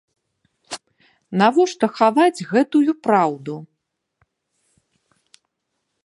Навошта хаваць гэтую праўду?